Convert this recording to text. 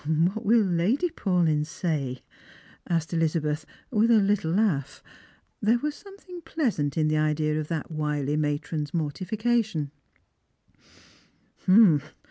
" What will Lady Paulyn say ?" asked Elizabeth, with a little laugh. There was something pleasant in the idea of that wily matron's mortification.